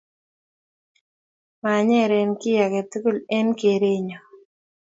manyere kiy age tugul eng keerenyo